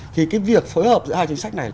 thì cái việc phối hợp giữa hai chính sách này